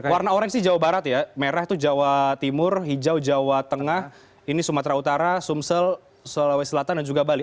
warna orange sih jawa barat ya merah itu jawa timur hijau jawa tengah ini sumatera utara sumsel sulawesi selatan dan juga bali